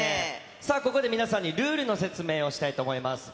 さあ、ここで皆さんにルールの説明をしたいと思います。